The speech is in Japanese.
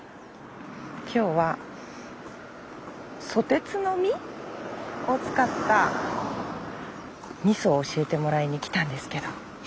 今日はソテツの実を使った味噌を教えてもらいにきたんですけど。